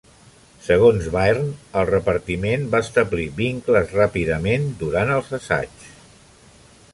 Segons Byrne, el repartiment va establir vincles ràpidament durant els assaigs.